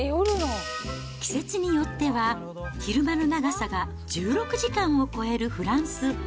季節によっては、昼間の長さが１６時間を超えるフランス。